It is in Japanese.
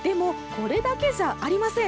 これだけじゃありません。